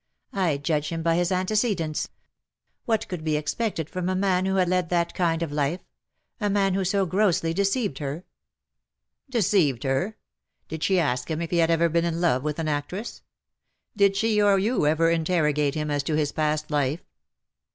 '' I judge him by his antecedents. What could be expected from a man who had led that kind of life — a man who so grossly deceived her ?" "Deceived her? Did she ask him if he had ever been in love with an actress ? Did she or you ever interrogate him as to his past life?